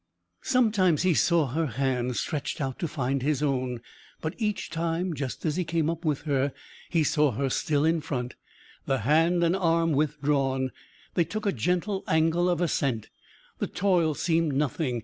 Sometimes he saw her hand stretched out to find his own, but each time, just as he came up with her, he saw her still in front, the hand and arm withdrawn. They took a gentle angle of ascent. The toil seemed nothing.